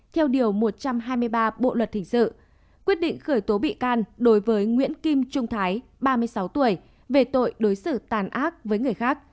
theo điều một trăm hai mươi ba bộ luật hình sự quyết định khởi tố bị can đối với nguyễn kim trung thái ba mươi sáu tuổi về tội đối xử tàn ác với người khác